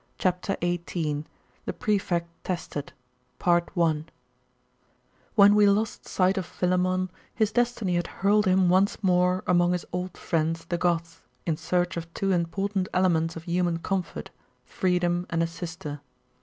CHAPTER XVIII: THE PREFECT TESTED WHEN we lost sight of Philammon, his destiny had hurled him once more among his old friends the Goths, in search of two important elements of human comfort, freedom and a sister.